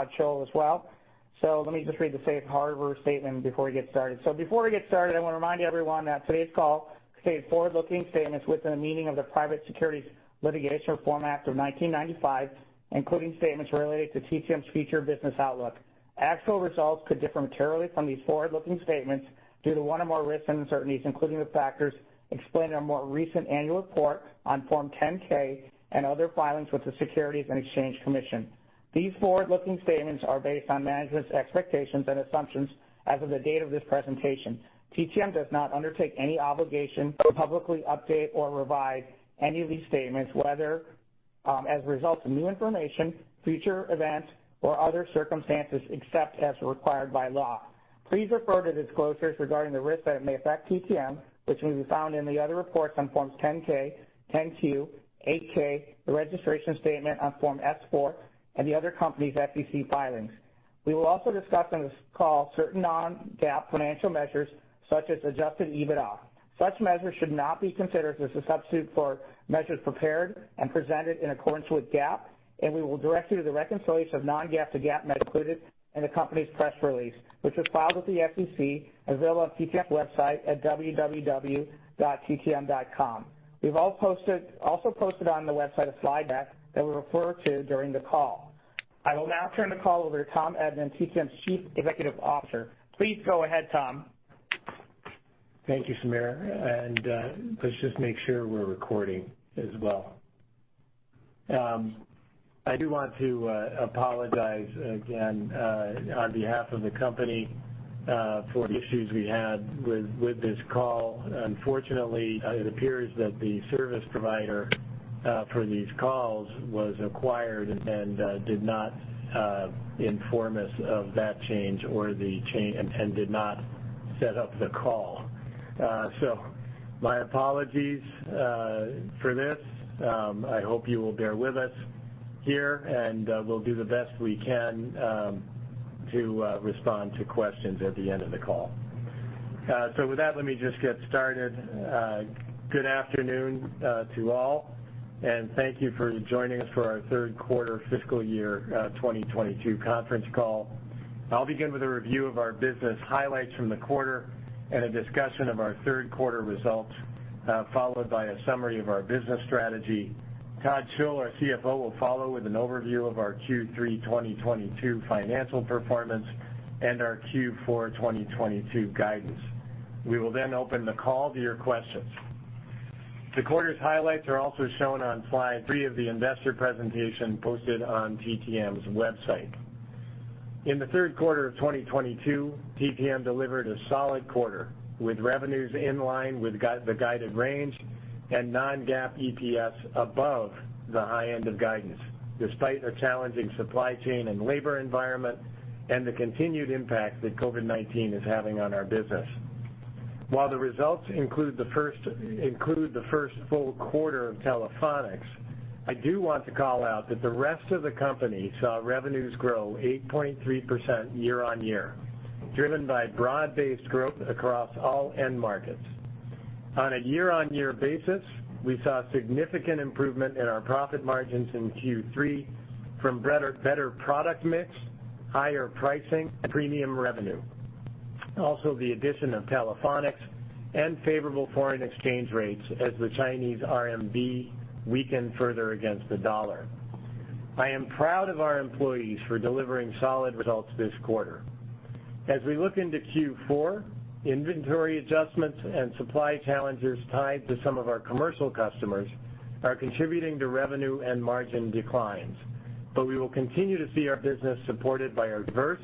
As well. Let me just read the safe harbor statement before we get started. Before we get started, I wanna remind everyone that today's call may contain forward-looking statements within the meaning of the Private Securities Litigation Reform Act of 1995, including statements related to TTM's future business outlook. Actual results could differ materially from these forward-looking statements due to one or more risks and uncertainties, including the factors explained in our more recent annual report on Form 10-K and other filings with the Securities and Exchange Commission. These forward-looking statements are based on management's expectations and assumptions as of the date of this presentation. TTM does not undertake any obligation to publicly update or revise any of these statements, whether as a result of new information, future events, or other circumstances, except as required by law. Please refer to disclosures regarding the risks that may affect TTM, which may be found in the other reports on Forms 10-K, 10-Q, 8-K, the registration statement on Form S-4, and the other company's SEC filings. We will also discuss on this call certain non-GAAP financial measures, such as adjusted EBITDA. Such measures should not be considered as a substitute for measures prepared and presented in accordance with GAAP, and we will direct you to the reconciliation of non-GAAP to GAAP measures included in the company's press release, which was filed with the SEC, available on TTM's website at www.ttm.com. We have also posted on the website a slide deck that we'll refer to during the call. I will now turn the call over to Tom Edman, TTM's Chief Executive Officer. Please go ahead, Tom. Thank you, Sameer, and let's just make sure we're recording as well. I do want to apologize again on behalf of the company for the issues we had with this call. Unfortunately, it appears that the service provider for these calls was acquired and did not inform us of that change and did not set up the call. My apologies for this. I hope you will bear with us here, and we'll do the best we can to respond to questions at the end of the call. With that, let me just get started. Good afternoon to all, and thank you for joining us for our third quarter fiscal year 2022 conference call. I'll begin with a review of our business highlights from the quarter and a discussion of our third quarter results, followed by a summary of our business strategy. Todd Schull, our CFO, will follow with an overview of our Q3 2022 financial performance and our Q4 2022 guidance. We will then open the call to your questions. The quarter's highlights are also shown on slide three of the investor presentation posted on TTM's website. In the third quarter of 2022, TTM delivered a solid quarter, with revenues in line with the guided range and non-GAAP EPS above the high end of guidance, despite a challenging supply chain and labor environment and the continued impact that COVID-19 is having on our business. While the results include the first full quarter of Telephonics, I do want to call out that the rest of the company saw revenues grow 8.3% year-on-year, driven by broad-based growth across all end markets. On a year-on-year basis, we saw significant improvement in our profit margins in Q3 from better product mix, higher pricing, premium revenue, also the addition of Telephonics and favorable foreign exchange rates as the Chinese RMB weakened further against the dollar. I am proud of our employees for delivering solid results this quarter. As we look into Q4, inventory adjustments and supply challenges tied to some of our commercial customers are contributing to revenue and margin declines, but we will continue to see our business supported by our diverse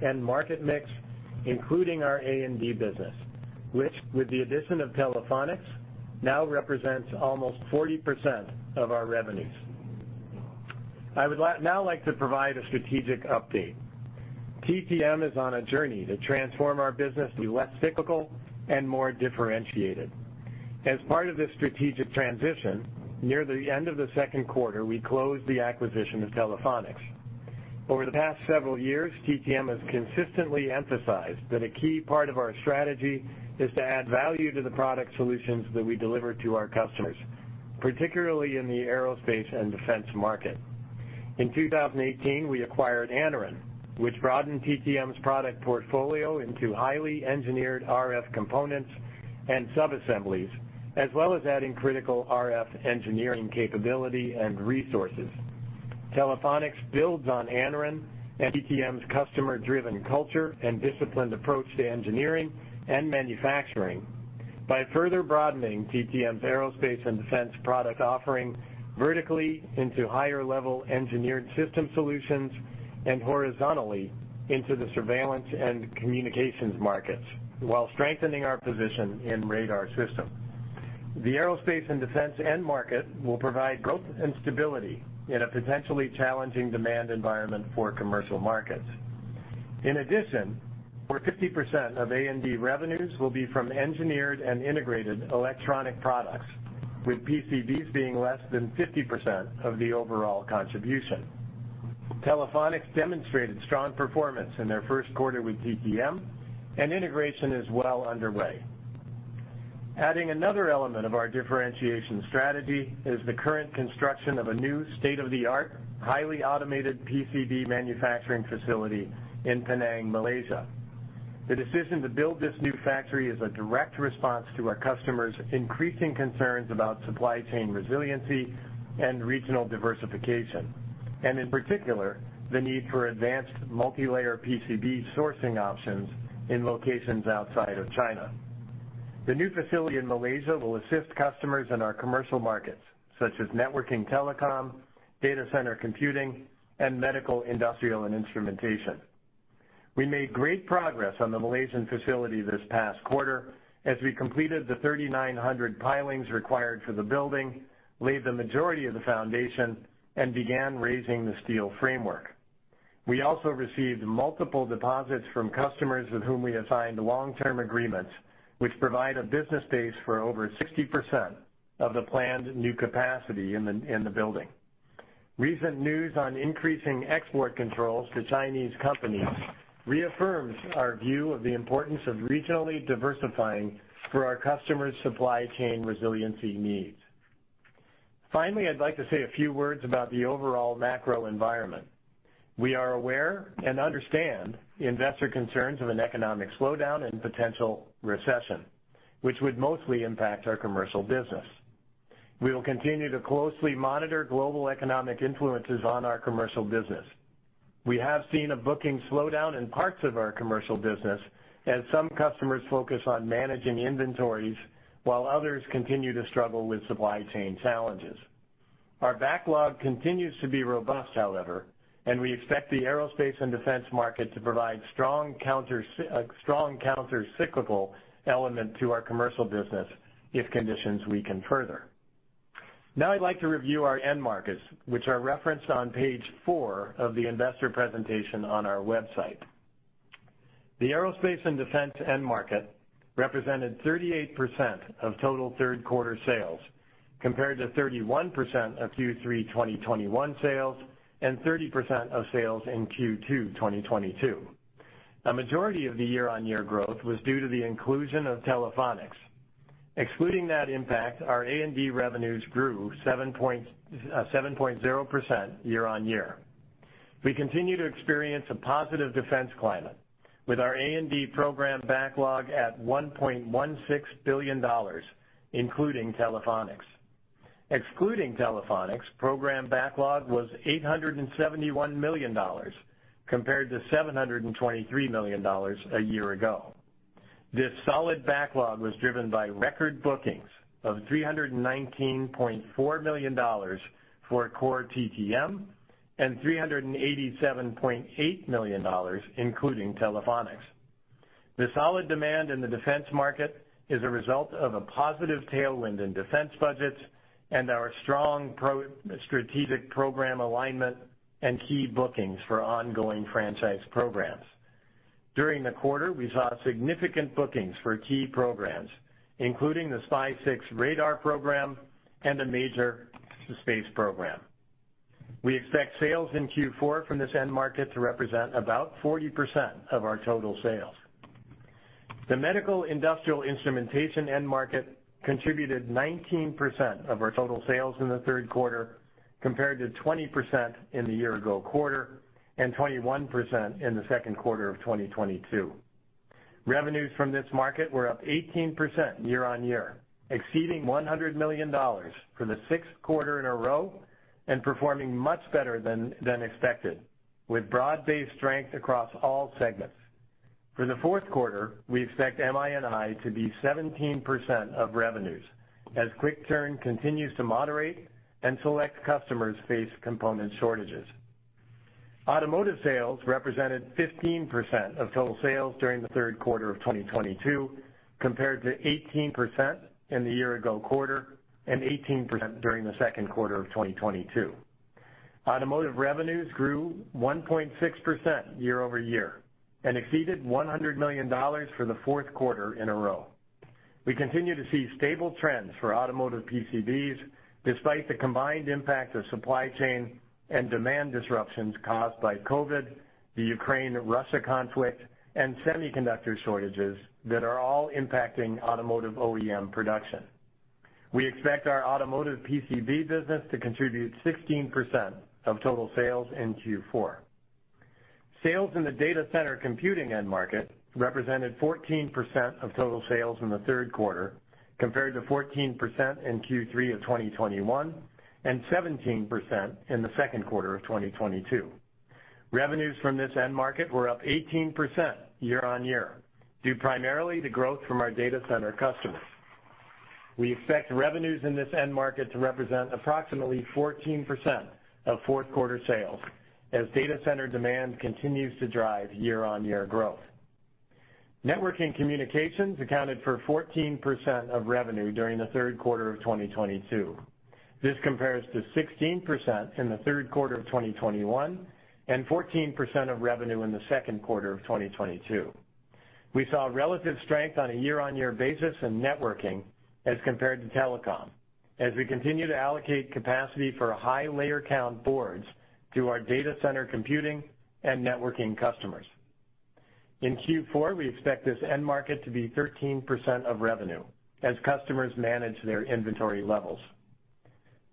end market mix, including our A&D business, which, with the addition of Telephonics, now represents almost 40% of our revenues. I would now like to provide a strategic update. TTM is on a journey to transform our business to be less cyclical and more differentiated. As part of this strategic transition, near the end of the second quarter, we closed the acquisition of Telephonics. Over the past several years, TTM has consistently emphasized that a key part of our strategy is to add value to the product solutions that we deliver to our customers, particularly in the Aerospace & Defense market. In 2018, we acquired Anaren, which broadened TTM's product portfolio into highly engineered RF components and subassemblies, as well as adding critical RF engineering capability and resources. Telephonics builds on Anaren and TTM's customer-driven culture and disciplined approach to engineering and manufacturing. By further broadening TTM's Aerospace & Defense product offering vertically into higher-level engineered system solutions and horizontally into the surveillance and communications markets while strengthening our position in radar systems. The Aerospace & Defense end market will provide growth and stability in a potentially challenging demand environment for commercial markets. In addition, over 50% of A&D revenues will be from engineered and integrated electronic products, with PCBs being less than 50% of the overall contribution. Telephonics demonstrated strong performance in their first quarter with TTM, and integration is well underway. Adding another element of our differentiation strategy is the current construction of a new state-of-the-art, highly automated PCB manufacturing facility in Penang, Malaysia. The decision to build this new factory is a direct response to our customers' increasing concerns about supply chain resiliency and regional diversification, and in particular, the need for advanced multilayer PCB sourcing options in locations outside of China. The new facility in Malaysia will assist customers in our commercial markets, such as Networking Telecom, Data Center Computing, and Medical, Industrial, and Instrumentation. We made great progress on the Malaysian facility this past quarter as we completed the 3,900 pilings required for the building, laid the majority of the foundation, and began raising the steel framework. We also received multiple deposits from customers with whom we assigned long-term agreements, which provide a business base for over 60% of the planned new capacity in the building. Recent news on increasing export controls to Chinese companies reaffirms our view of the importance of regionally diversifying for our customers' supply chain resiliency needs. Finally, I'd like to say a few words about the overall macro environment. We are aware and understand the investor concerns of an economic slowdown and potential recession, which would mostly impact our commercial business. We will continue to closely monitor global economic influences on our commercial business. We have seen a booking slowdown in parts of our commercial business as some customers focus on managing inventories, while others continue to struggle with supply chain challenges. Our backlog continues to be robust, however, and we expect the Aerospace & Defense market to provide a strong counter-cyclical element to our commercial business if conditions weaken further. Now I'd like to review our end markets, which are referenced on page four of the investor presentation on our website. The Aerospace & Defense end market represented 38% of total third quarter sales, compared to 31% of Q3 2021 sales and 30% of sales in Q2 2022. A majority of the year-on-year growth was due to the inclusion of Telephonics. Excluding that impact, our A&D revenues grew 7.0% year on year. We continue to experience a positive defense climate with our A&D program backlog at $1.16 billion, including Telephonics. Excluding Telephonics, program backlog was $871 million compared to $723 million a year ago. This solid backlog was driven by record bookings of $319.4 million for core TTM and $387.8 million, including Telephonics. The solid demand in the defense market is a result of a positive tailwind in defense budgets and our strong pro-strategic program alignment and key bookings for ongoing franchise programs. During the quarter, we saw significant bookings for key programs, including the SPY-6 radar program and a major space program. We expect sales in Q4 from this end market to represent about 40% of our total sales. The Medical, Industrial, and Instrumentation end market contributed 19% of our total sales in the third quarter, compared to 20% in the year ago quarter and 21% in the second quarter of 2022. Revenues from this market were up 18% year-on-year, exceeding $100 million for the 6th quarter in a row and performing much better than expected, with broad-based strength across all segments. For the fourth quarter, we expect MI&I to be 17% of revenues as quick turn continues to moderate and select customers face component shortages. Automotive sales represented 15% of total sales during the third quarter of 2022, compared to 18% in the year ago quarter and 18% during the second quarter of 2022. Automotive revenues grew 1.6% year-over-year and exceeded $100 million for the fourth quarter in a row. We continue to see stable trends for automotive PCBs despite the combined impact of supply chain and demand disruptions caused by COVID, the Ukraine-Russia conflict, and semiconductor shortages that are all impacting automotive OEM production. We expect our automotive PCB business to contribute 16% of total sales in Q4. Sales in the data center computing end market represented 14% of total sales in the third quarter, compared to 14% in Q3 of 2021 and 17% in the second quarter of 2022. Revenues from this end market were up 18% year-over-year, due primarily to growth from our data center customers. We expect revenues in this end market to represent approximately 14% of fourth quarter sales as data center demand continues to drive year-on-year growth. Networking communications accounted for 14% of revenue during the third quarter of 2022. This compares to 16% in the third quarter of 2021, and 14% of revenue in the second quarter of 2022. We saw relative strength on a year-on-year basis in networking as compared to telecom, as we continue to allocate capacity for high layer count boards to our data center computing and networking customers. In Q4, we expect this end market to be 13% of revenue as customers manage their inventory levels.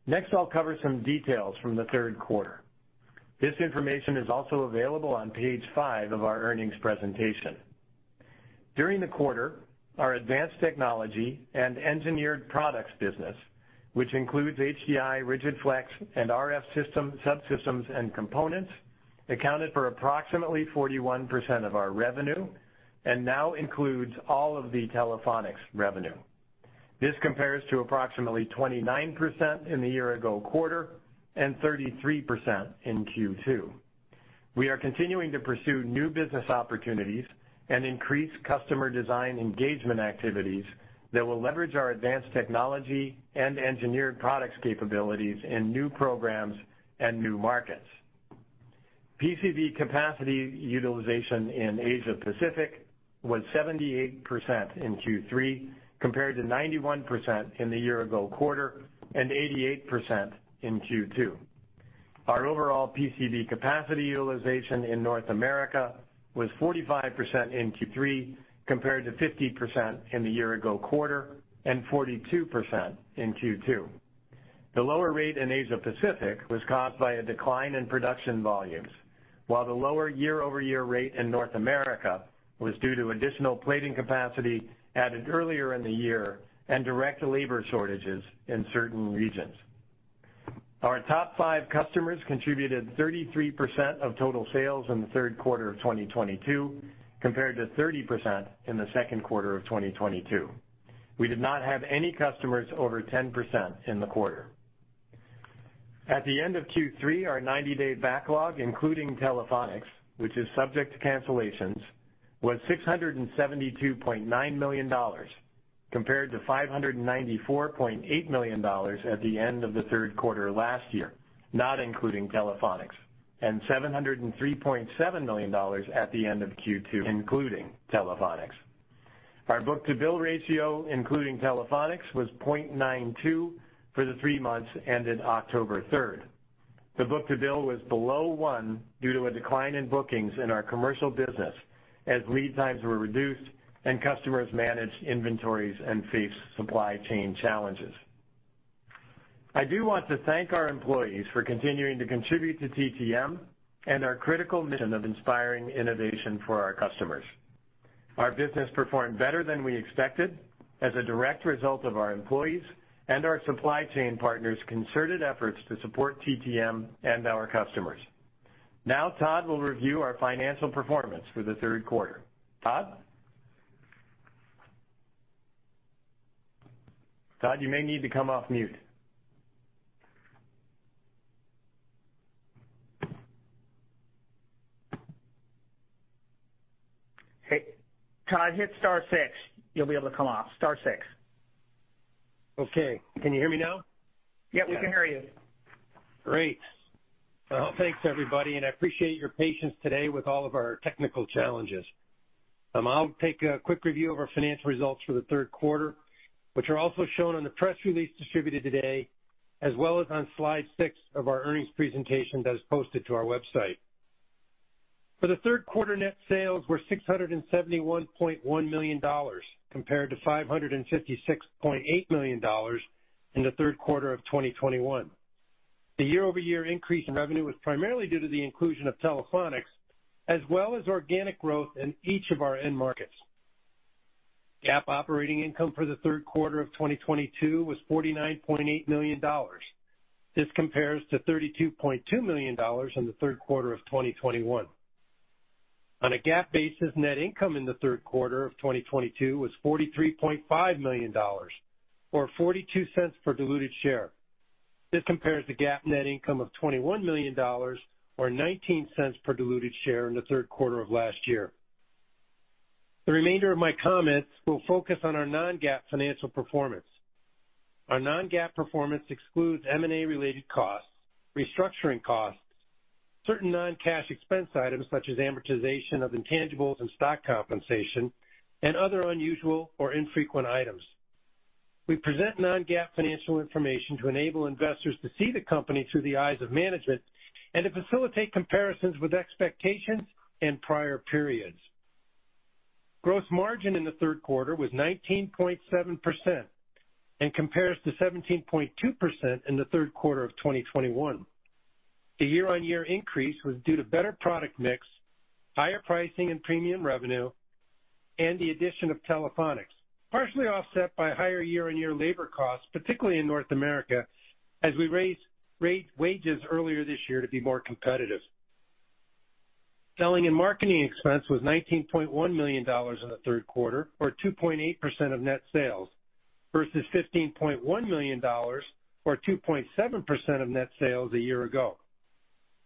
Next, I'll cover some details from the third quarter. This information is also available on page five of our earnings presentation. During the quarter, our advanced technology and engineered products business, which includes HDI, Rigid-Flex, and RF subsystems and components, accounted for approximately 41% of our revenue and now includes all of the Telephonics revenue. This compares to approximately 29% in the year ago quarter and 33% in Q2. We are continuing to pursue new business opportunities and increase customer design engagement activities that will leverage our advanced technology and engineered products capabilities in new programs and new markets. PCB capacity utilization in Asia-Pacific was 78% in Q3, compared to 91% in the year ago quarter and 88% in Q2. Our overall PCB capacity utilization in North America was 45% in Q3, compared to 50% in the year ago quarter and 42% in Q2. The lower rate in Asia-Pacific was caused by a decline in production volumes, while the lower year-over-year rate in North America was due to additional plating capacity added earlier in the year and direct labor shortages in certain regions. Our top five customers contributed 33% of total sales in the third quarter of 2022, compared to 30% in the second quarter of 2022. We did not have any customers over 10% in the quarter. At the end of Q3, our 90-day backlog, including Telephonics, which is subject to cancellations, was $672.9 million, compared to $594.8 million at the end of the third quarter last year, not including Telephonics, and $703.7 million at the end of Q2, including Telephonics. Our book-to-bill ratio, including Telephonics, was 0.92 for the three months ended October third. The book-to-bill was below 1 due to a decline in bookings in our commercial business as lead times were reduced and customers managed inventories and faced supply chain challenges. I do want to thank our employees for continuing to contribute to TTM and our critical mission of inspiring innovation for our customers. Our business performed better than we expected as a direct result of our employees and our supply chain partners' concerted efforts to support TTM and our customers. Now, Todd will review our financial performance for the third quarter. Todd? Todd, you may need to come off mute. Hey, Todd, hit star six. You'll be able to come off. Star six. Okay. Can you hear me now? Yep, we can hear you. Great. Well, thanks everybody, and I appreciate your patience today with all of our technical challenges. I'll take a quick review of our financial results for the third quarter, which are also shown on the press release distributed today, as well as on slide six of our earnings presentation that is posted to our website. For the third quarter, net sales were $671.1 million, compared to $556.8 million in the third quarter of 2021. The year-over-year increase in revenue was primarily due to the inclusion of Telephonics, as well as organic growth in each of our end markets. GAAP operating income for the third quarter of 2022 was $49.8 million. This compares to $32.2 million in the third quarter of 2021. On a GAAP basis, net income in the third quarter of 2022 was $43.5 million or $0.42 per diluted share. This compares to GAAP net income of $21 million or $0.19 per diluted share in the third quarter of last year. The remainder of my comments will focus on our non-GAAP financial performance. Our non-GAAP performance excludes M&A-related costs, restructuring costs, certain non-cash expense items such as amortization of intangibles and stock compensation, and other unusual or infrequent items. We present non-GAAP financial information to enable investors to see the company through the eyes of management and to facilitate comparisons with expectations in prior periods. Gross margin in the third quarter was 19.7% and compares to 17.2% in the third quarter of 2021. The year-on-year increase was due to better product mix, higher pricing and premium revenue, and the addition of Telephonics, partially offset by higher year-on-year labor costs, particularly in North America, as we raised wages earlier this year to be more competitive. Selling and marketing expense was $19.1 million in the third quarter or 2.8% of net sales versus $15.1 million or 2.7% of net sales a year ago.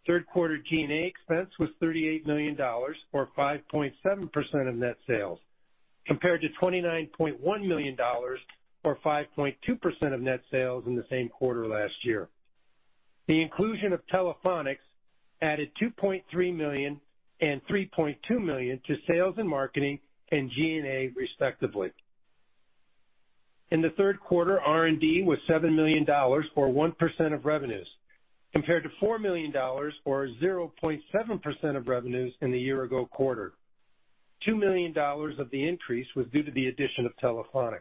Third quarter G&A expense was $38 million or 5.7% of net sales, compared to $29.1 million or 5.2% of net sales in the same quarter last year. The inclusion of Telephonics added $2.3 million and $3.2 million to sales and marketing and G&A, respectively. In the third quarter, R&D was $7 million or 1% of revenues, compared to $4 million or 0.7% of revenues in the year-ago quarter. $2 million of the increase was due to the addition of Telephonics.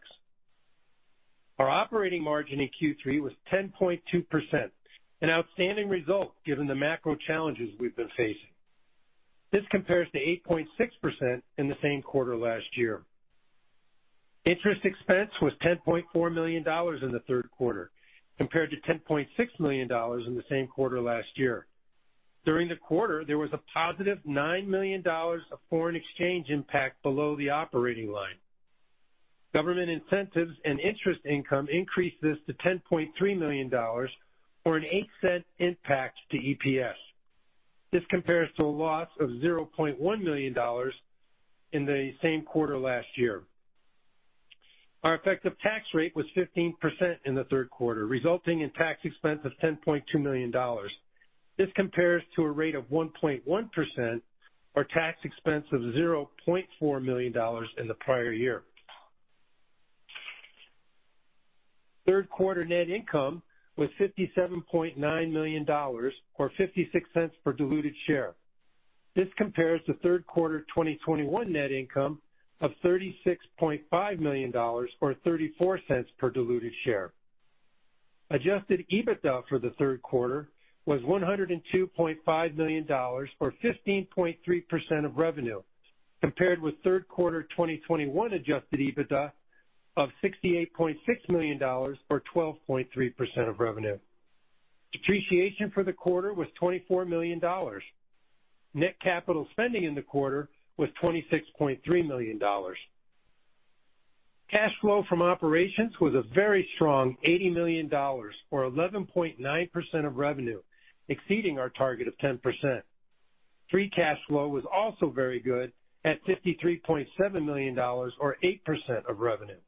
Our operating margin in Q3 was 10.2%, an outstanding result given the macro challenges we've been facing. This compares to 8.6% in the same quarter last year. Interest expense was $10.4 million in the third quarter, compared to $10.6 million in the same quarter last year. During the quarter, there was a +$9 million of foreign exchange impact below the operating line. Government incentives and interest income increased this to $10.3 million or a $0.08 impact to EPS. This compares to a loss of $0.1 million in the same quarter last year. Our effective tax rate was 15% in the third quarter, resulting in tax expense of $10.2 million. This compares to a rate of 1.1% or tax expense of $0.4 million in the prior year. Third quarter net income was $57.9 million or $0.56 per diluted share. This compares to third quarter 2021 net income of $36.5 million or $0.34 per diluted share. Adjusted EBITDA for the third quarter was $102.5 million or 15.3% of revenue, compared with third quarter 2021 adjusted EBITDA of $68.6 million or 12.3% of revenue. Depreciation for the quarter was $24 million. Net capital spending in the quarter was $26.3 million. Cash flow from operations was a very strong $80 million or 11.9% of revenue, exceeding our target of 10%. Free cash flow was also very good at $53.7 million or 8% of revenue.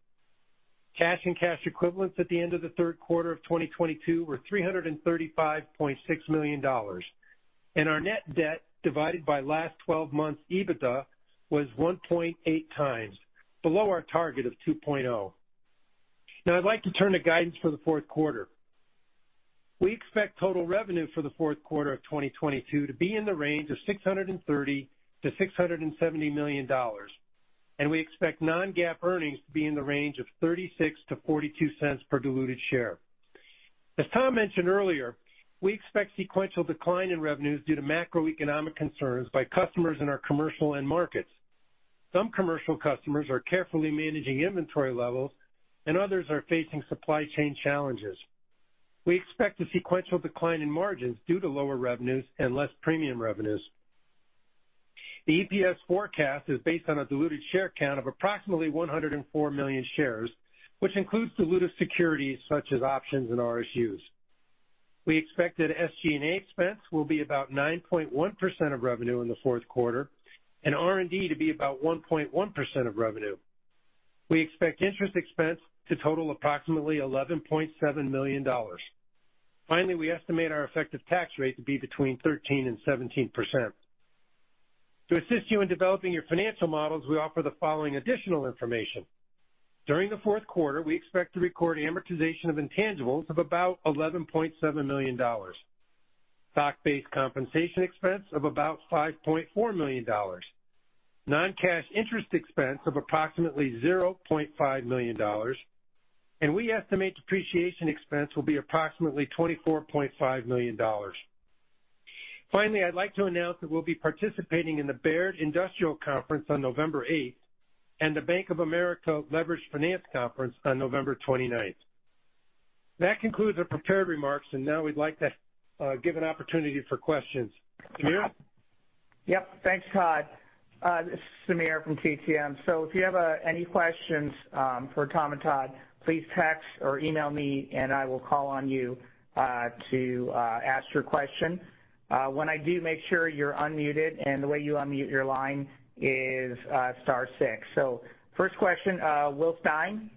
Cash and cash equivalents at the end of the third quarter of 2022 were $335.6 million. Our net debt divided by last 12 months EBITDA was 1.8x, below our target of 2.0x. Now, I'd like to turn to guidance for the fourth quarter. We expect total revenue for the fourth quarter of 2022 to be in the range of $630 million-$670 million, and we expect non-GAAP earnings to be in the range of $0.36-$0.42 per diluted share. As Tom mentioned earlier, we expect sequential decline in revenues due to macroeconomic concerns by customers in our commercial end markets. Some commercial customers are carefully managing inventory levels, and others are facing supply chain challenges. We expect a sequential decline in margins due to lower revenues and less premium revenues. The EPS forecast is based on a diluted share count of approximately 104 million shares, which includes dilutive securities such as options and RSUs. We expect that SG&A expense will be about 9.1% of revenue in the fourth quarter, and R&D to be about 1.1% of revenue. We expect interest expense to total approximately $11.7 million. Finally, we estimate our effective tax rate to be between 13% and 17%. To assist you in developing your financial models, we offer the following additional information. During the fourth quarter, we expect to record amortization of intangibles of about $11.7 million, stock-based compensation expense of about $5.4 million, non-cash interest expense of approximately $0.5 million, and we estimate depreciation expense will be approximately $24.5 million. Finally, I'd like to announce that we'll be participating in the Baird Industrial Conference on November 8th and the Bank of America Leveraged Finance Conference on November 29th. That concludes our prepared remarks, and now we'd like to give an opportunity for questions. Sameer? Yep. Thanks, Todd. This is Sameer from TTM. If you have any questions for Tom and Todd, please text or email me, and I will call on you to ask your question. When I do, make sure you're unmuted, and the way you unmute your line is star six. First question, Will Stein,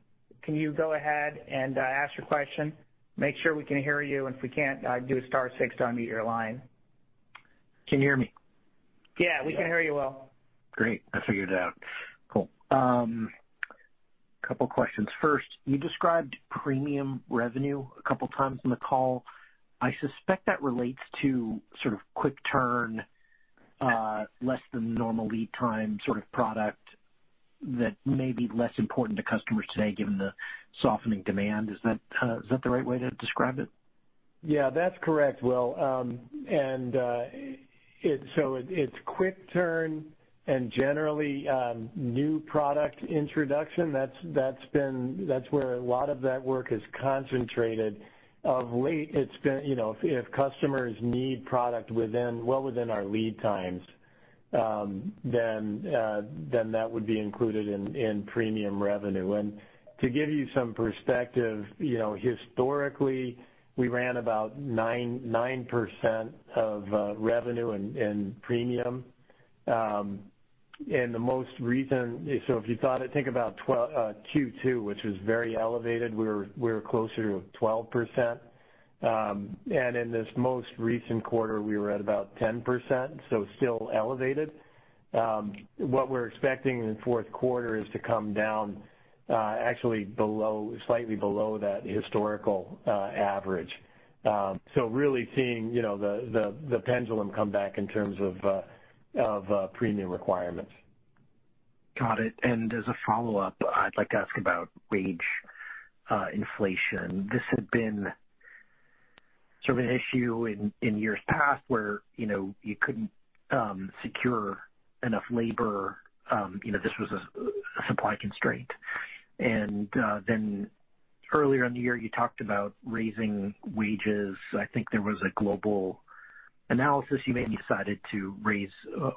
can you go ahead and ask your question? Make sure we can hear you. If we can't, do star six to unmute your line. Can you hear me? Yeah, we can hear you, Will. Great. I figured it out. Cool. Couple questions. First, you described premium revenue a couple times in the call. I suspect that relates to sort of quick turn, less than normal lead time sort of product that may be less important to customers today given the softening demand. Is that the right way to describe it? Yeah, that's correct, Will. It's quick turn and generally new product introduction. That's where a lot of that work is concentrated. Of late, it's been you know if customers need product well within our lead times, then that would be included in premium revenue. To give you some perspective, you know historically we ran about 9% of revenue in premium. The most recent. If you think about Q2, which was very elevated, we were closer to 12%. In this most recent quarter, we were at about 10%, so still elevated. What we're expecting in the fourth quarter is to come down, actually below, slightly below that historical average. Really seeing, you know, the pendulum come back in terms of premium requirements. Got it. As a follow-up, I'd like to ask about wage inflation. This had been sort of an issue in years past where, you know, you couldn't secure enough labor, you know, this was a supply constraint. Then earlier in the year, you talked about raising wages. I think there was a global analysis. You maybe decided to raise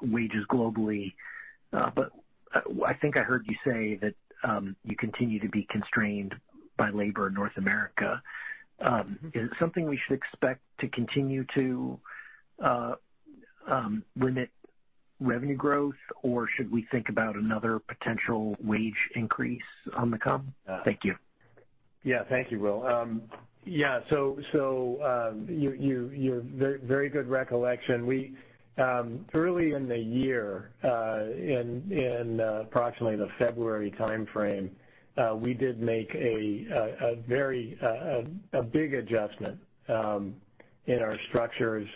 wages globally. I think I heard you say that you continue to be constrained by labor in North America. Is it something we should expect to continue to limit revenue growth, or should we think about another potential wage increase on the come? Thank you. Yeah. Thank you, Will. So, you have a very good recollection. Early in the year, approximately the February timeframe, we did make a very big adjustment in our structures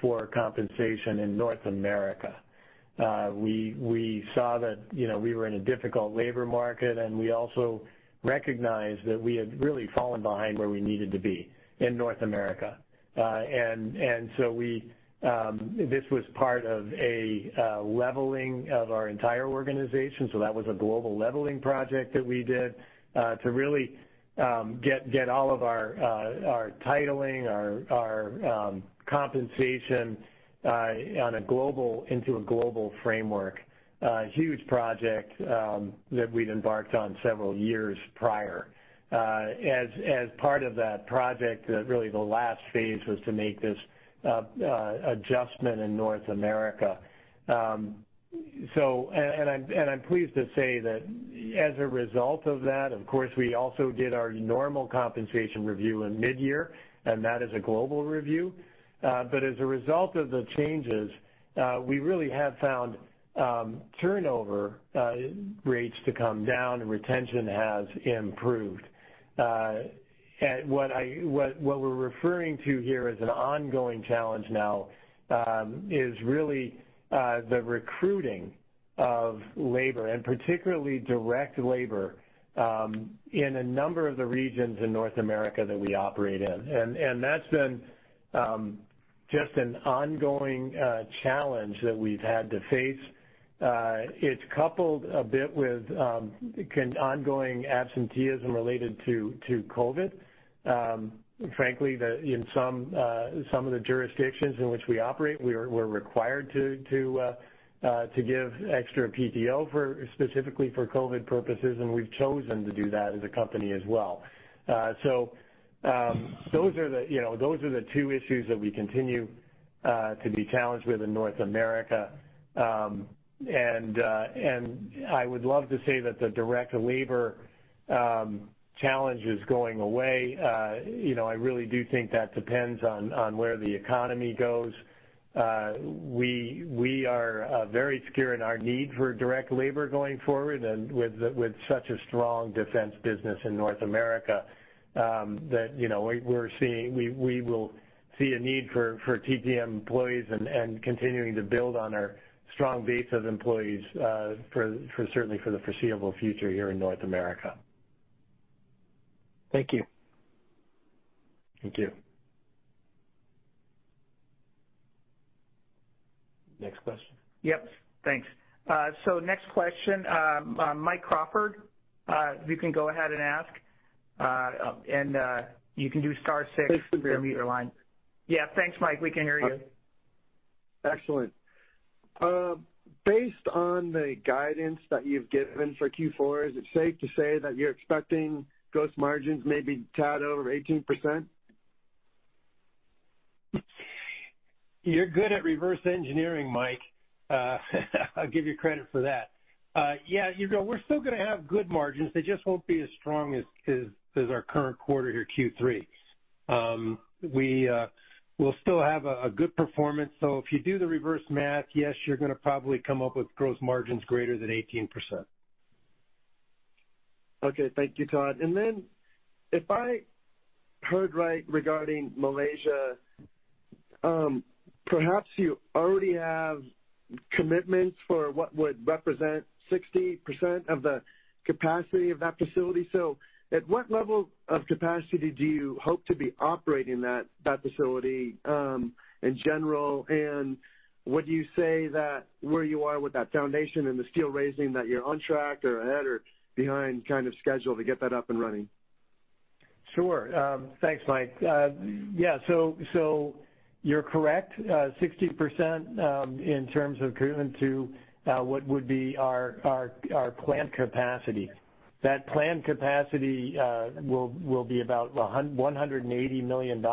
for compensation in North America. We saw that, you know, we were in a difficult labor market, and we also recognized that we had really fallen behind where we needed to be in North America. This was part of a leveling of our entire organization. That was a global leveling project that we did to really get all of our titling, our compensation into a global framework. Huge project that we'd embarked on several years prior. As part of that project, really the last phase was to make this adjustment in North America. I'm pleased to say that as a result of that, of course, we also did our normal compensation review in mid-year, and that is a global review. As a result of the changes, we really have found turnover rates to come down, and retention has improved. What we're referring to here as an ongoing challenge now is really the recruiting of labor and particularly direct labor in a number of the regions in North America that we operate in. That's been just an ongoing challenge that we've had to face. It's coupled a bit with ongoing absenteeism related to COVID. Frankly, in some of the jurisdictions in which we operate, we're required to give extra PTO specifically for COVID purposes, and we've chosen to do that as a company as well. Those are the two issues that we continue to be challenged with in North America. I would love to say that the direct labor challenge is going away. You know, I really do think that depends on where the economy goes. We are very secure in our need for direct labor going forward and with such a strong defense business in North America that, you know, we're seeing, we will see a need for TTM employees and continuing to build on our strong base of employees certainly for the foreseeable future here in North America. Thank you. Thank you. Next question. Yep. Thanks. Next question, Mike Crawford, you can go ahead and ask. You can do star six to unmute your line. Yeah, thanks, Mike. We can hear you. Excellent. Based on the guidance that you've given for Q4, is it safe to say that you're expecting gross margins may be a tad over 18%? You're good at reverse engineering, Mike. I'll give you credit for that. Yeah, you know, we're still gonna have good margins. They just won't be as strong as our current quarter here, Q3. We'll still have a good performance. If you do the reverse math, yes, you're gonna probably come up with gross margins greater than 18%. Okay. Thank you, Todd. If I heard right regarding Malaysia, perhaps you already have commitments for what would represent 60% of the capacity of that facility. At what level of capacity do you hope to be operating that facility in general? Would you say that where you are with that foundation and the steel raising that you're on track or ahead or behind kind of schedule to get that up and running? Sure. Thanks, Mike. Yeah, so you're correct. 60% in terms of commitment to what would be our plant capacity. That planned capacity will be about $180 million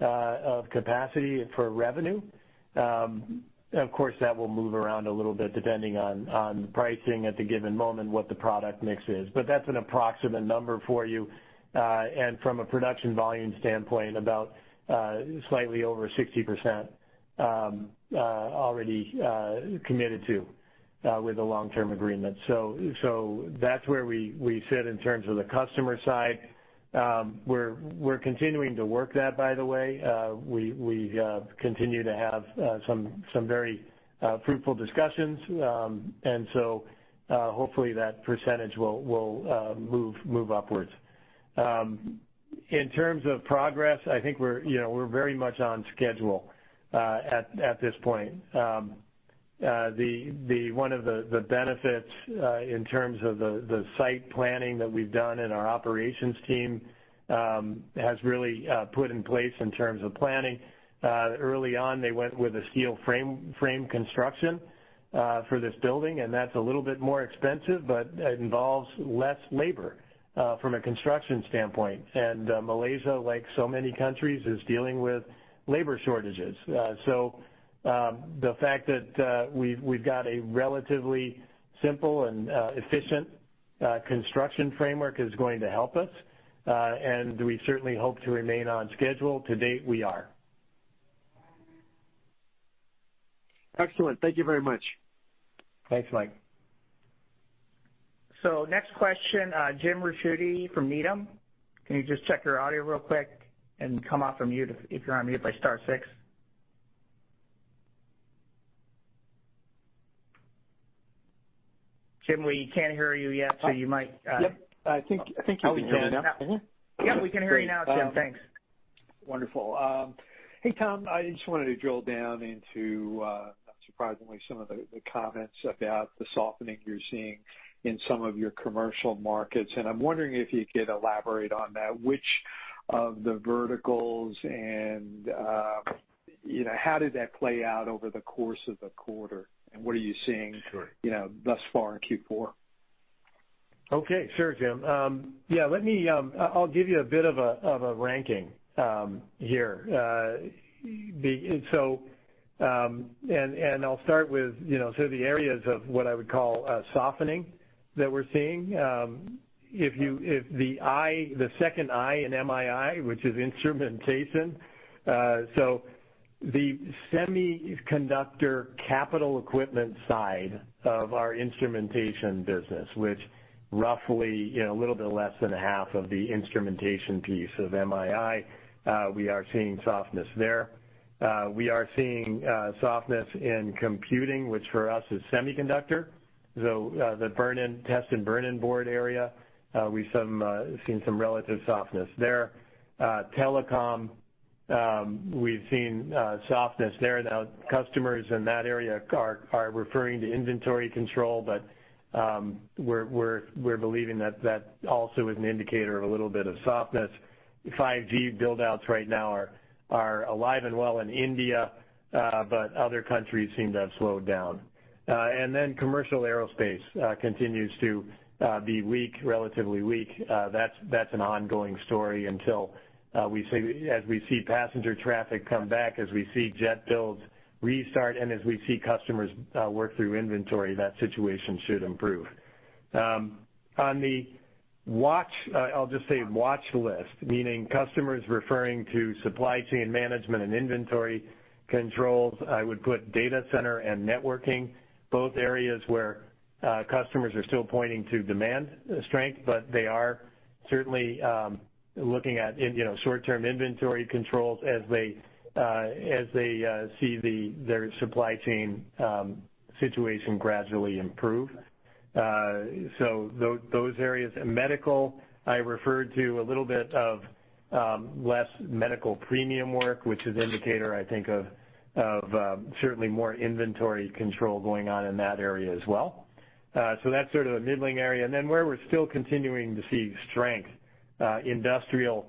of capacity for revenue. Of course, that will move around a little bit depending on pricing at the given moment, what the product mix is. That's an approximate number for you. From a production volume standpoint, about slightly over 60% already committed to with a long-term agreement. That's where we sit in terms of the customer side. We're continuing to work that by the way. We continue to have some very fruitful discussions. Hopefully that percentage will move upwards. In terms of progress, I think we're, you know, very much on schedule at this point. One of the benefits in terms of the site planning that we've done in our operations team has really put in place in terms of planning. Early on, they went with a steel frame construction for this building, and that's a little bit more expensive, but it involves less labor from a construction standpoint. Malaysia, like so many countries, is dealing with labor shortages. The fact that we've got a relatively simple and efficient construction framework is going to help us, and we certainly hope to remain on schedule. To date, we are. Excellent. Thank you very much. Thanks, Mike. Next question, Jim Ricchiuti from Needham. Can you just check your audio real quick and unmute if you're on mute by star six? Jim, we can't hear you yet, so you might. Yep. I think you can hear me now. Yeah, we can hear you now, Jim. Thanks. Wonderful. Hey, Tom, I just wanted to drill down into, not surprisingly, some of the comments about the softening you're seeing in some of your commercial markets. I'm wondering if you could elaborate on that. Which of the verticals and, you know, how did that play out over the course of the quarter? What are you seeing? Sure. You know, thus far in Q4? Okay. Sure, Jim. Yeah, let me, I'll give you a bit of a ranking, here. I'll start with, you know, the areas of what I would call a softening that we're seeing. The second I in MI&I, which is instrumentation. The semiconductor capital equipment side of our instrumentation business, which roughly, you know, a little bit less than half of the instrumentation piece of MI&I, we are seeing softness there. We are seeing softness in computing, which for us is semiconductor. The burn-in test and burn-in board area, we've seen some relative softness there. Telecom, we've seen softness there. Now customers in that area are referring to inventory control, but we're believing that that also is an indicator of a little bit of softness. 5G build-outs right now are alive and well in India, but other countries seem to have slowed down. And then commercial aerospace continues to be weak, relatively weak. That's an ongoing story until, as we see passenger traffic come back, as we see jet builds restart, and as we see customers work through inventory, that situation should improve. On the watch, I'll just say watch list, meaning customers referring to supply chain management and inventory controls, I would put data center and networking, both areas where customers are still pointing to demand strength, but they are certainly looking at, you know, short-term inventory controls as they see their supply chain situation gradually improve. So those areas. Medical, I referred to a little bit of less medical premium work, which is indicative, I think, of certainly more inventory control going on in that area as well. So that's sort of a middling area. Where we're still continuing to see strength, industrial,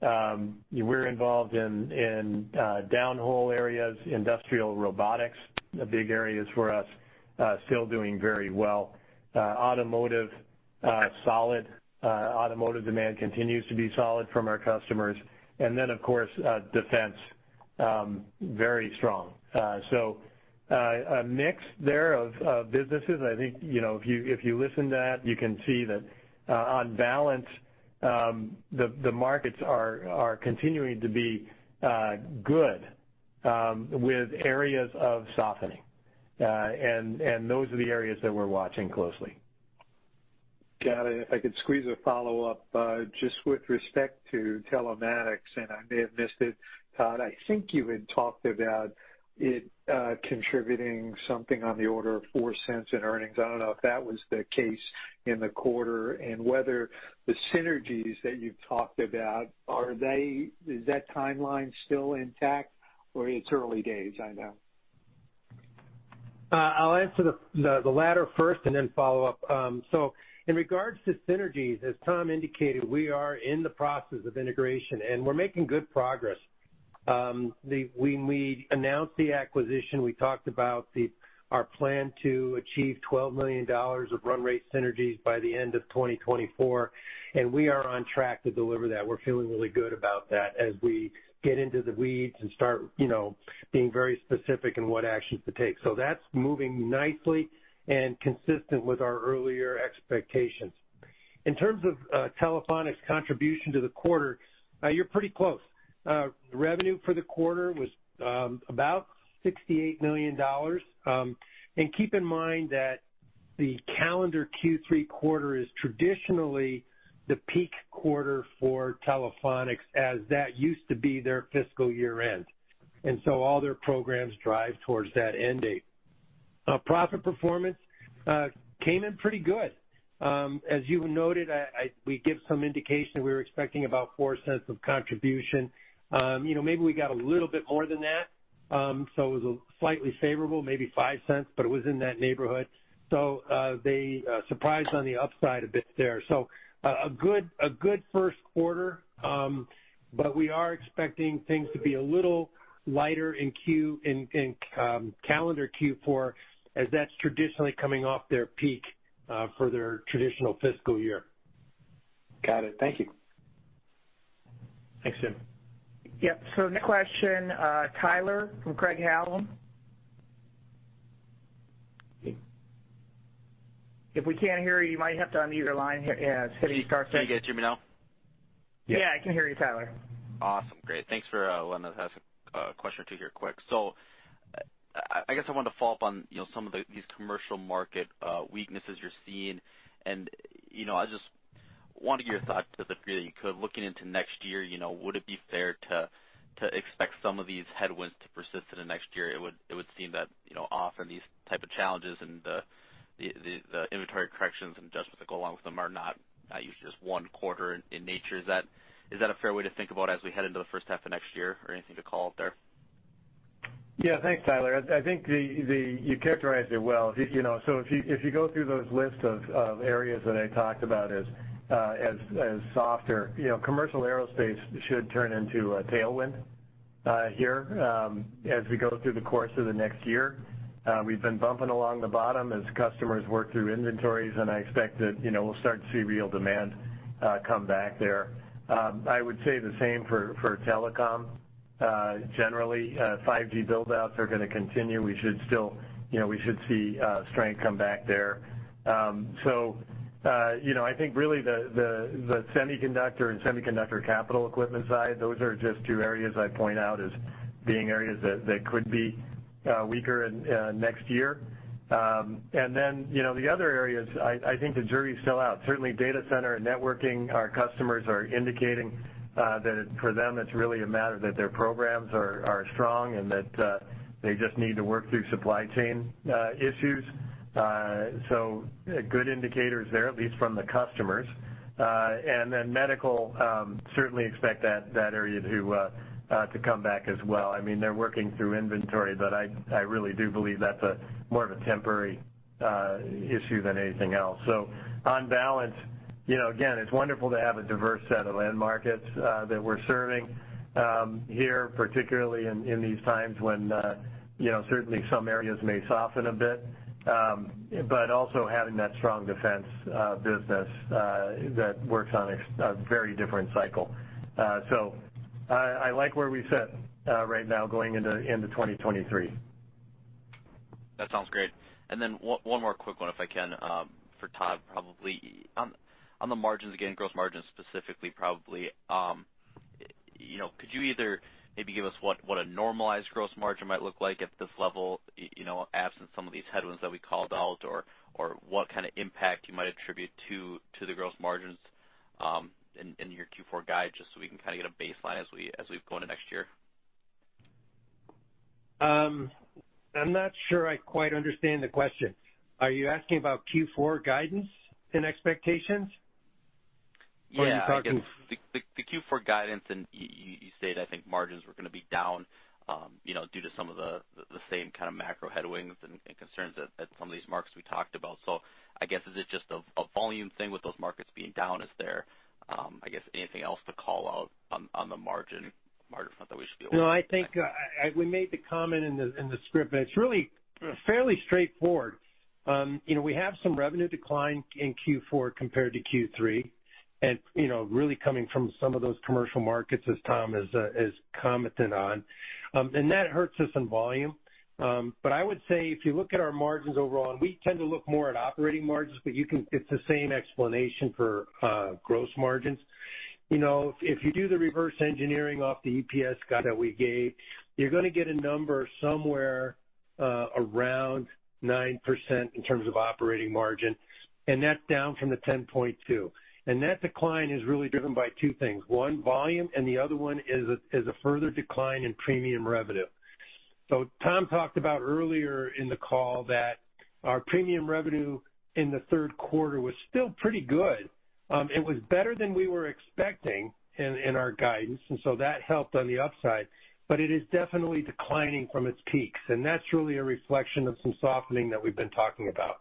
we're involved in downhole areas, industrial robotics, big areas for us, still doing very well. Automotive, solid. Automotive demand continues to be solid from our customers. Of course, defense very strong. A mix there of businesses. I think, you know, if you, if you listen to that, you can see that, on balance, the markets are continuing to be good, with areas of softening. Those are the areas that we're watching closely. Got it. If I could squeeze a follow-up, just with respect to Telephonics, and I may have missed it, Todd, I think you had talked about it, contributing something on the order of $0.04 in earnings. I don't know if that was the case in the quarter, and whether the synergies that you've talked about, is that timeline still intact, or it's early days? I know. I'll answer the latter first and then follow up. In regards to synergies, as Tom indicated, we are in the process of integration, and we're making good progress. When we announced the acquisition, we talked about our plan to achieve $12 million of run rate synergies by the end of 2024, and we are on track to deliver that. We're feeling really good about that as we get into the weeds and start, you know, being very specific in what actions to take. That's moving nicely and consistent with our earlier expectations. In terms of Telephonics contribution to the quarter, you're pretty close. Revenue for the quarter was about $68 million. Keep in mind that the calendar Q3 quarter is traditionally the peak quarter for Telephonics as that used to be their fiscal year-end. All their programs drive towards that end date. Profit performance came in pretty good. As you noted, we give some indication we were expecting about $0.04 of contribution. You know, maybe we got a little bit more than that. So it was slightly favorable, maybe $0.05, but it was in that neighborhood. They surprised on the upside a bit there. A good first quarter, but we are expecting things to be a little lighter in calendar Q4 as that's traditionally coming off their peak for their traditional fiscal year. Got it. Thank you. Thanks, Jim. Yep. Next question, Tyler from Craig-Hallum. If we can't hear you might have to unmute your line here. Yeah, hitting star six. Can you guys hear me now? Yeah, I can hear you, Tyler. Awesome. Great. Thanks for letting us ask a question or two here quick. I guess I wanted to follow up on, you know, some of these commercial market weaknesses you're seeing. You know, I just wanted your thoughts as it relates to looking into next year, you know, would it be fair to expect some of these headwinds to persist into next year? It would seem that, you know, often these type of challenges and the inventory corrections and adjustments that go along with them are not usually just one quarter in nature. Is that a fair way to think about as we head into the first half of next year or anything to call out there? Yeah. Thanks, Tyler. I think you characterized it well. If you go through those lists of areas that I talked about as softer, commercial aerospace should turn into a tailwind here as we go through the course of the next year. We've been bumping along the bottom as customers work through inventories, and I expect that we'll start to see real demand come back there. I would say the same for telecom. Generally, 5G build-outs are gonna continue. We should still see strength come back there. You know, I think really the semiconductor and semiconductor capital equipment side, those are just two areas I point out as being areas that could be weaker in next year. You know, the other areas, I think the jury is still out. Certainly, data center and networking, our customers are indicating that for them, it's really a matter that their programs are strong and that they just need to work through supply chain issues. Good indicators there, at least from the customers. Medical, certainly expect that area to come back as well. I mean, they're working through inventory, but I really do believe that's more of a temporary issue than anything else. On balance, you know, again, it's wonderful to have a diverse set of end markets that we're serving here, particularly in these times when, you know, certainly some areas may soften a bit, but also having that strong defense business that works on a very different cycle. I like where we sit right now going into 2023. That sounds great. One more quick one, if I can, for Todd, probably. On the margins, again, gross margins specifically, probably, you know, could you either maybe give us what a normalized gross margin might look like at this level, you know, absent some of these headwinds that we called out, or what kind of impact you might attribute to the gross margins in your Q4 guide, just so we can kinda get a baseline as we go into next year? I'm not sure I quite understand the question. Are you asking about Q4 guidance and expectations? Or are you talking? Yeah. I guess the Q4 guidance, and you said, I think margins were gonna be down, you know, due to some of the same kind of macro headwinds and concerns that some of these markets we talked about. I guess, is it just a volume thing with those markets being down? Is there, I guess anything else to call out on the margin front that we should be aware of? No, I think we made the comment in the script, but it's really fairly straightforward. You know, we have some revenue decline in Q4 compared to Q3 and, you know, really coming from some of those commercial markets as Tom has commented on. That hurts us in volume. I would say if you look at our margins overall, and we tend to look more at operating margins, but it's the same explanation for gross margins. You know, if you do the reverse engineering off the EPS guide that we gave, you're gonna get a number somewhere around 9% in terms of operating margin, and that's down from the 10.2%. That decline is really driven by two things, one, volume, and the other one is a further decline in premium revenue. Tom talked about earlier in the call that our premium revenue in the third quarter was still pretty good. It was better than we were expecting in our guidance, and that helped on the upside, but it is definitely declining from its peaks. That's really a reflection of some softening that we've been talking about.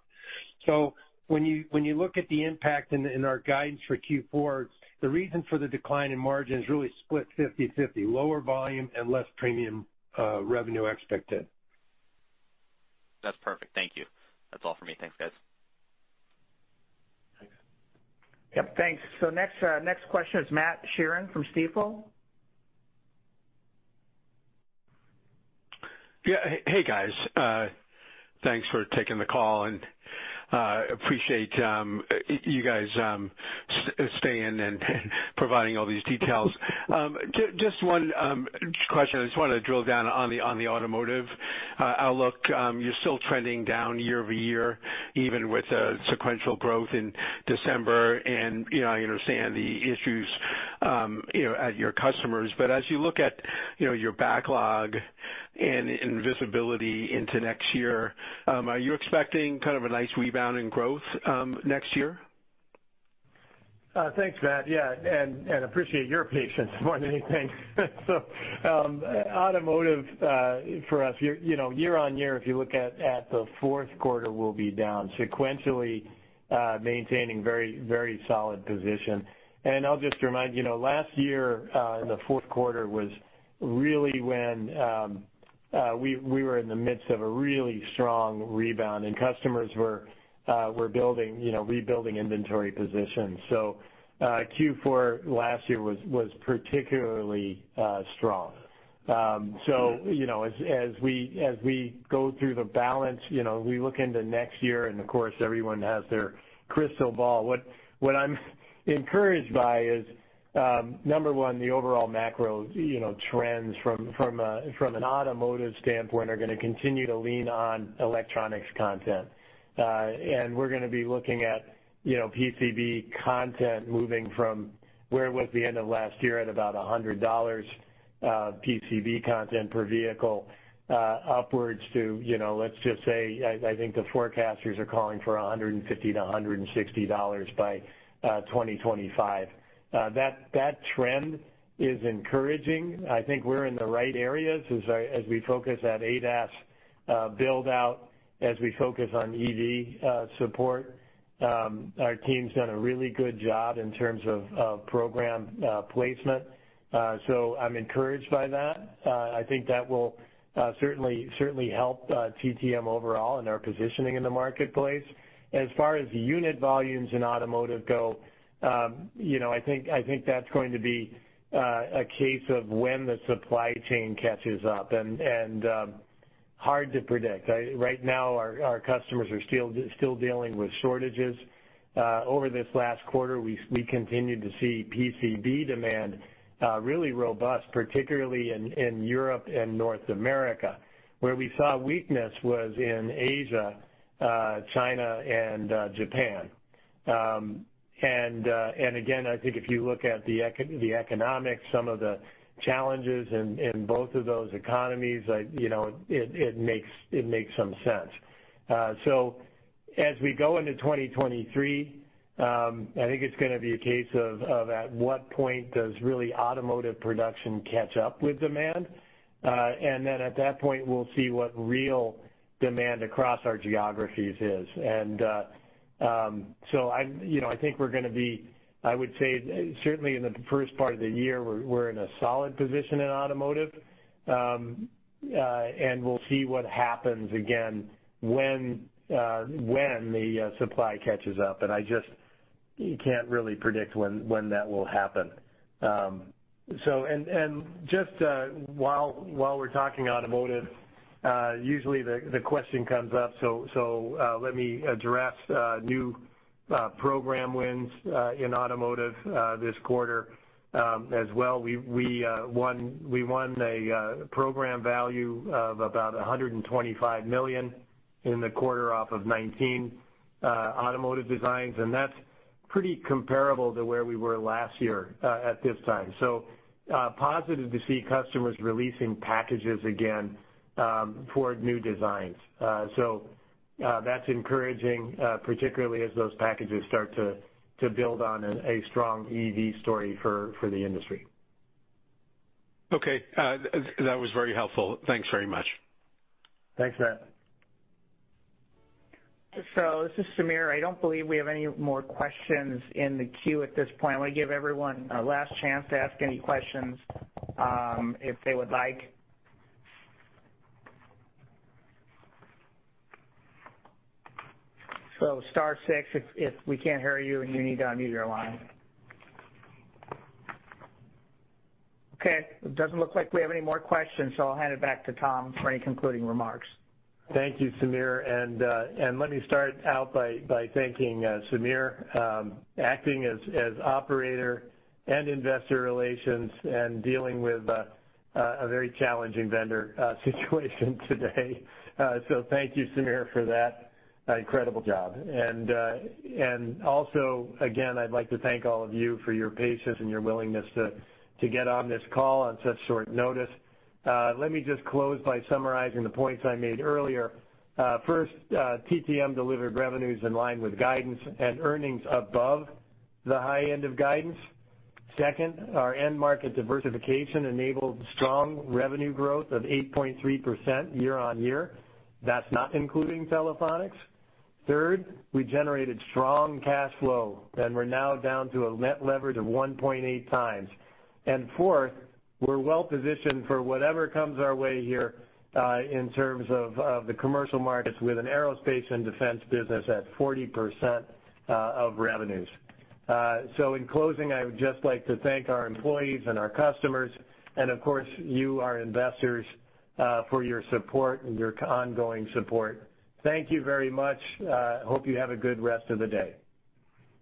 When you look at the impact in our guidance for Q4, the reason for the decline in margin is really split 50/50, lower volume and less premium revenue expected. That's perfect. Thank you. That's all for me. Thanks, guys. Thanks. Yep, thanks. Next question is Matt Sheerin from Stifel. Hey, guys. Thanks for taking the call and appreciate you guys staying and providing all these details. Just one question. I just wanted to drill down on the automotive outlook. You're still trending down year-over-year, even with the sequential growth in December and, you know, I understand the issues, you know, at your customers. But as you look at, you know, your backlog and visibility into next year, are you expecting kind of a nice rebound in growth next year? Thanks, Matt. Yeah, and appreciate your patience more than anything. Automotive, for us, you know, year-over-year, if you look at the fourth quarter, we'll be down sequentially, maintaining very solid position. I'll just remind, you know, last year in the fourth quarter was really when we were in the midst of a really strong rebound and customers were building, you know, rebuilding inventory positions. Q4 last year was particularly strong. You know, as we go through the balance, you know, we look into next year, and of course, everyone has their crystal ball. What I'm encouraged by is number one, the overall macro trends from an automotive standpoint are gonna continue to lean on electronics content. We're gonna be looking at, you know, PCB content moving from where it was at the end of last year at about $100 PCB content per vehicle upwards to, you know, let's just say, I think the forecasters are calling for $150-$160 by 2025. That trend is encouraging. I think we're in the right areas as we focus on ADAS build out, as we focus on EV support. Our team's done a really good job in terms of program placement. So I'm encouraged by that. I think that will certainly help TTM overall and our positioning in the marketplace. As far as unit volumes in automotive go, you know, I think that's going to be a case of when the supply chain catches up, and hard to predict. Right now our customers are still dealing with shortages. Over this last quarter, we continued to see PCB demand really robust, particularly in Europe and North America. Where we saw weakness was in Asia, China, and Japan. And again, I think if you look at the economics, some of the challenges in both of those economies, you know, it makes some sense. So as we go into 2023, I think it's gonna be a case of at what point does really automotive production catch up with demand. Then at that point, we'll see what real demand across our geographies is. you know, I think we're gonna be, I would say, certainly in the first part of the year, we're in a solid position in automotive. we'll see what happens again when the supply catches up. I just can't really predict when that will happen. and just while we're talking automotive, usually the question comes up, so let me address new program wins in automotive this quarter. As well, we won a program value of about $125 million in the quarter off of 19 automotive designs, and that's pretty comparable to where we were last year at this time. Positive to see customers releasing packages again for new designs. That's encouraging, particularly as those packages start to build on a strong EV story for the industry. Okay. That was very helpful. Thanks very much. Thanks, Matt. This is Sameer. I don't believe we have any more questions in the queue at this point. I wanna give everyone a last chance to ask any questions, if they would like. Star six if we can't hear you and you need to unmute your line. Okay. It doesn't look like we have any more questions, so I'll hand it back to Tom for any concluding remarks. Thank you, Sameer. Let me start out by thanking Sameer acting as operator and investor relations and dealing with a very challenging vendor situation today. Thank you, Sameer, for that incredible job. Again, I'd like to thank all of you for your patience and your willingness to get on this call on such short notice. Let me just close by summarizing the points I made earlier. First, TTM delivered revenues in line with guidance and earnings above the high end of guidance. Second, our end market diversification enabled strong revenue growth of 8.3% year-on-year. That's not including Telephonics. Third, we generated strong cash flow, and we're now down to a net leverage of 1.8x. Fourth, we're well-positioned for whatever comes our way here, in terms of the commercial markets with an Aerospace & Defense business at 40% of revenues. In closing, I would just like to thank our employees and our customers, and of course, you, our investors, for your support and your ongoing support. Thank you very much. Hope you have a good rest of the day.